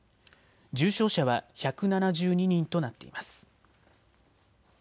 重症者は１７２人となっています。